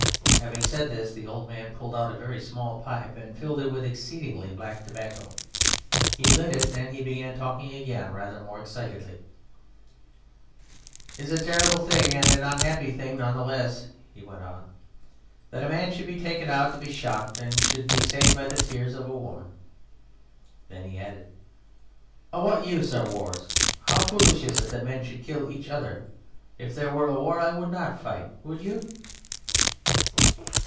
Having said this the old man pulled out a very small pipe and filled it with exceedingly black tobacco. He lit it, then he began talking again rather more excitedly. "It is a terrible thing and an unhappy thing none the less," he went on, "that a man should be taken out to be shot and should be saved by the tears of a woman." Then he added, "Of what use are wars? How foolish it is that men should kill each other! If there were a war I would not fight. Would you?"